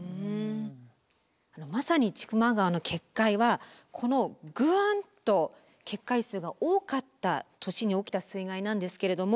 まさに千曲川の決壊はこのグンと決壊数が多かった年に起きた水害なんですけれども。